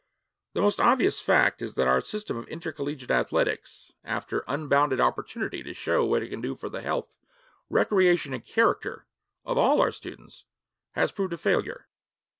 The most obvious fact is that our system of intercollegiate athletics, after unbounded opportunity to show what it can do for the health, recreation, and character of all our students, has proved a failure.